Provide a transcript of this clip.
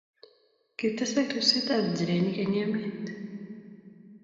Kitesak ribsetab nchirenik eng' emet.